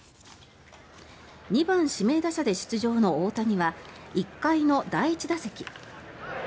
２番指名打者で出場の大谷は１回の第１打席。